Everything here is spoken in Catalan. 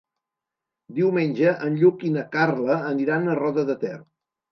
Diumenge en Lluc i na Carla aniran a Roda de Ter.